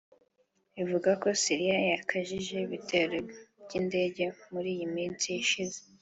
ivuga ko Syria yakajije ibitero by’indege muri iyi minsi ishize